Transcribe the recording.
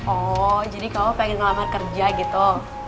oh jadi kamu pengen ngelamar kerja gitu